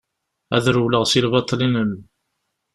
Ad rewleɣ si lbaṭel-inem.